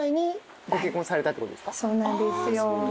そうなんですよ。